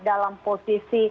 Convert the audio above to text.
jadi kita harus melihatnya